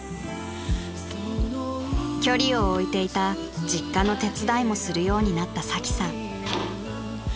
［距離を置いていた実家の手伝いもするようになったサキさん］